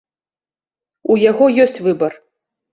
У яго ёсць выбар.